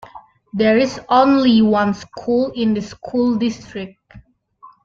There is only one school in the school district.